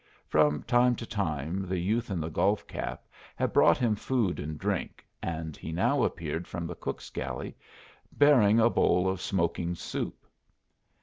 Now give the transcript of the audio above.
From time to time the youth in the golf cap had brought him food and drink, and he now appeared from the cook's galley bearing a bowl of smoking soup.